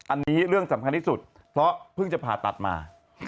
อันนี้เรื่องสำคัญที่สุดเพราะเพิ่งจะผ่าตัดมา